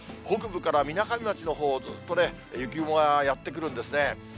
北部からみなかみ町のほうを、ずっと雪雲がやって来るんですね。